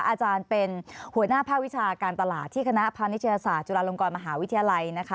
อาจารย์เป็นหัวหน้าภาควิชาการตลาดที่คณะพานิชยศาสตร์จุฬาลงกรมหาวิทยาลัยนะคะ